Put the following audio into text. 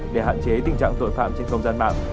để hạn chế tình trạng tội phạm trên không gian mạng